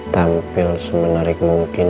tampil semenarik mungkin